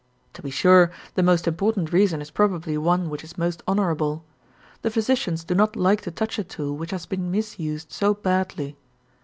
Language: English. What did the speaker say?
To be sure, the most important reason is probably one which is most honorable. The physicians do not like to touch a tool which has been misused so badly.